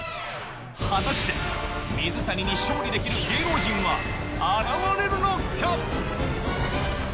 果たして水谷に勝利できる芸能人は現れるのか？